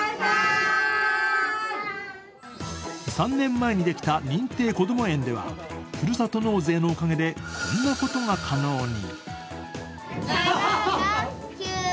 ３年前にできた認定こども園ではふるさと納税のおかげでこんなことが可能に。